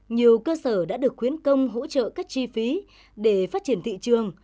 nhiều cơ sở đã được khuyến công hỗ trợ các chi phí để phát triển thị trường